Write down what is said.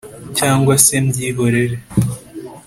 cyangwa se mbyihorere